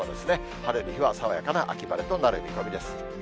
晴れる日は爽やかな秋晴れとなる見込みです。